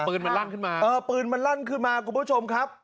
ปืนมันลั่นขึ้นมาคุณผู้ชมครับ